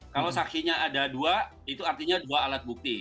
kalau saksinya ada dua itu artinya dua alat bukti